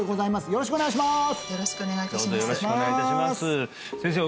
よろしくお願いいたします先生